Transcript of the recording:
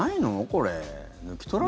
これ。